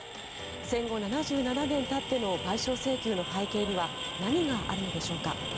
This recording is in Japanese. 戦後７７年たっての賠償請求の背景には何があるのでしょうか。